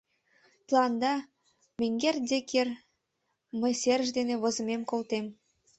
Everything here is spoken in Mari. — Тыланда, менгер Деккер, мый серыш дене возымым колтем.